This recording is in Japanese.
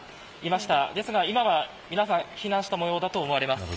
ですが今は皆さん避難したようだと思われます。